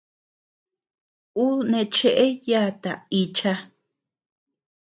Ú neʼë cheʼe yata ícha.